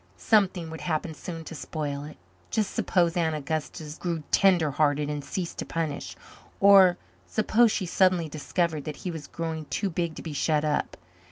Something would happen soon to spoil it. Just suppose Aunt Augusta grew tender hearted and ceased to punish! Or suppose she suddenly discovered that he was growing too big to be shut up!